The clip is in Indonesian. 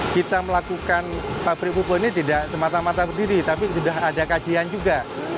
kita melakukan pabrik pupuk ini tidak semata mata berdiri tapi sudah ada kajian juga